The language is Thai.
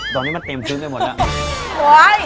ตอนนี้มันเต็มพื้นไปหมดแล้ว